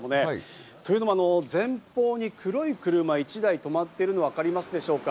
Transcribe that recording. というのも、前方に黒い車１台が停まっているのが分かりますでしょうか？